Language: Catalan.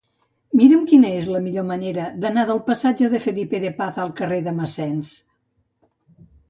Mira'm quina és la millor manera d'anar del passatge de Felipe de Paz al carrer de Massens.